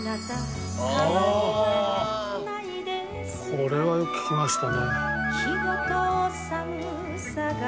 これはよく聴きましたね。